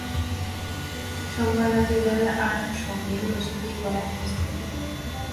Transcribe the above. সোমবার রাতে ঘরের আড়ার সঙ্গে রশি দিয়ে গলায় ফাঁস দেন তিনি।